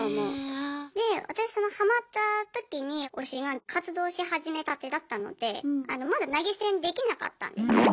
で私そのハマった時に推しが活動し始めたてだったのでまだ投げ銭できなかったんですよね。